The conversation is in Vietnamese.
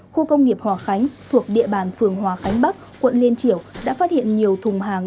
khu công nghiệp hòa khánh thuộc địa bàn phường hòa khánh bắc quận liên triểu đã phát hiện nhiều thùng hàng